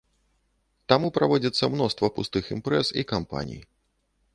Таму праводзіцца мноства пустых імпрэз і кампаній.